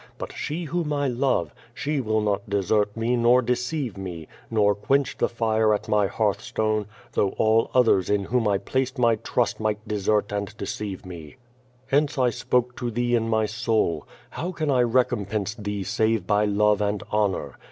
But she whom I love, she will not desert me nor deceive me, nor quench the fire at my hearth stone, though all others in whom I ]>laced my trust might de sert and deceive me. Hence I spoke to thee in my soul. How can 1 recompense thee save by love and honor?